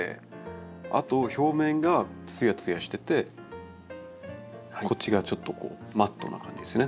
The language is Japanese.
あと表面がツヤツヤしててこっちがちょっとこうマットな感じですよね。